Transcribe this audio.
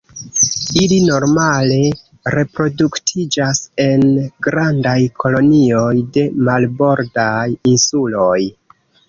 Ili normale reproduktiĝas en grandaj kolonioj de marbordaj insuloj.